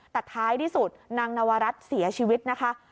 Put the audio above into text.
แต่ท้ายที่สุดนางนวรัฐเสียชีวิตนะคะ